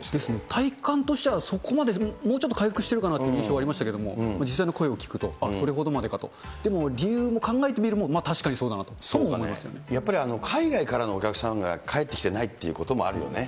体感としてはそこまで、もうちょっと回復してるかなという印象がありますけど、実際の声を聞くと、それほどまでかと。理由を考えてみると、やっぱり海外からのお客さんが帰ってきてないということもあるよね。